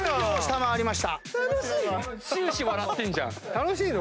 楽しいの？